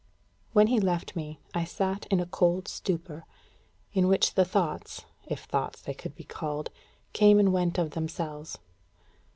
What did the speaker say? When he left me, I sat in a cold stupor, in which the thoughts if thoughts they could be called came and went of themselves.